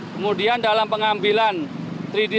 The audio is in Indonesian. kemudian dalam pengambilan tiga d